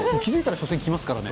気付いたら初戦来ますからね。